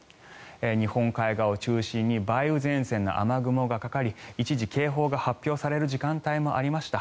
日本海側を中心に梅雨前線の雨雲がかかり一時、警報が発表される時間帯もありました。